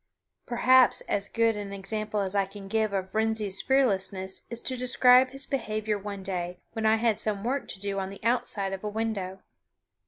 Perhaps as good an example as I can give of Wrensie's fearlessness is to describe his behavior one day when I had some work to do on the outside of a window.